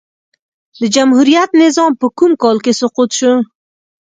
د جمهوريت نظام په کوم کال کی سقوط سو؟